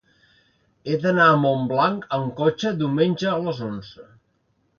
He d'anar a Montblanc amb cotxe diumenge a les onze.